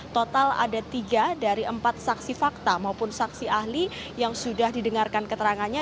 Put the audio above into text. total ada tiga dari empat saksi fakta maupun saksi ahli yang sudah didengarkan keterangannya